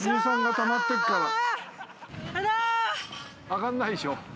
上がんないでしょ